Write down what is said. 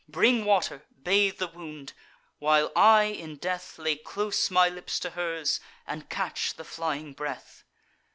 Bring water; bathe the wound; while I in death Lay close my lips to hers, and catch the flying breath."